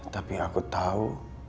tapi aku tahu